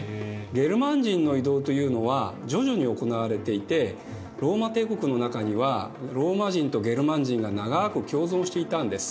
ゲルマン人の移動というのは徐々に行われていてローマ帝国の中にはローマ人とゲルマン人が長く共存していたんです。